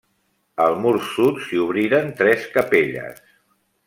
Al mur sud s'hi obriren tres capelles.